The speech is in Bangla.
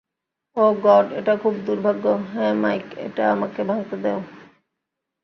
ওহ গড এটা খুব দুর্ভাগ্য, - হ্যাঁ, মাইক এটা আমাকে ভাঙতে দেও।